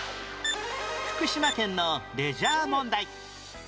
福島県のレジャー問題